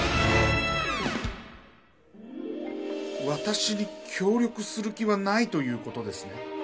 わたしに協力する気はないという事ですね？